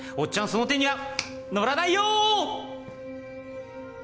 その手には乗らないよ！